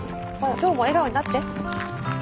腸も笑顔になって。